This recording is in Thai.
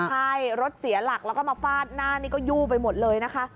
ใช่รถเสียหลักแล้วก็มาฟาดหน้านี่ก็ยู่ไปหมดเลยนะคะ